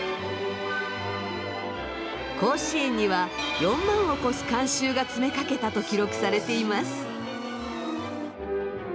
甲子園には４万を超す観衆が詰めかけたと記録されています。